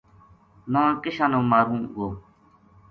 نا کِشاں ماروں گو